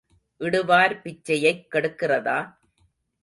இடுவார் பிச்சையைக் கெடுக்கிறதா?